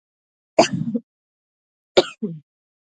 آیا پښتون یو ایماندار قوم نه دی؟